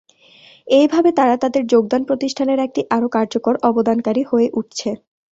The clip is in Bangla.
এইভাবে, তারা তাদের যোগদান প্রতিষ্ঠানের একটি আরো কার্যকর অবদানকারী হয়ে উঠছে।